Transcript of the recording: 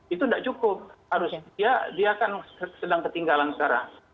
itu tidak cukup dia akan sedang ketinggalan sekarang